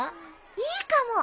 いいかも！